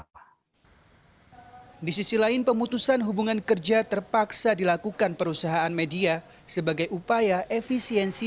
hai di sisi lain pemutusan hubungan kerja terpaksa dilakukan perusahaan media sebagai upaya efisiensi